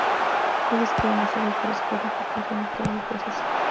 Ellos quedan a salvo, pero Scott deja caer su máscara en el proceso.